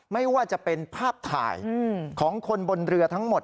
ไม่ว่าจะเป็นภาพถ่ายของคนบนเรือทั้งหมด